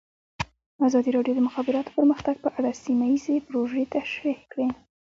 ازادي راډیو د د مخابراتو پرمختګ په اړه سیمه ییزې پروژې تشریح کړې.